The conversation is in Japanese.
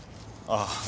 ああ。